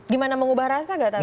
gimana mengubah rasa nggak tapi